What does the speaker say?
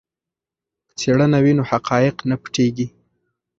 که څېړنه وي نو حقایق نه پټیږي.